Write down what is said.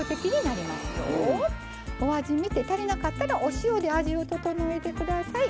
お味見て足りなかったらお塩で味を調えてください。